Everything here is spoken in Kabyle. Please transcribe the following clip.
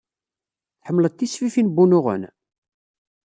Tḥemmled tisfifin n wunuɣen?